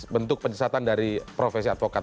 bentuk penyesatan dari profesi advokat